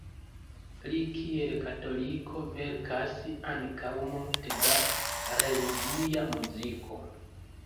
Li kiel katoliko verkas ankaŭ multe da religia muziko.